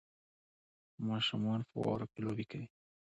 ماشومان په واورو کې لوبې کوي